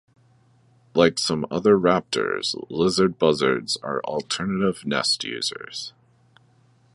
Like other some other raptors, lizard buzzards are alternative nest users.